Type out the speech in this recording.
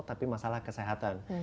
tapi masalah kesehatan